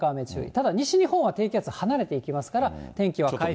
ただ西日本は低気圧離れていきますから、天気は回復。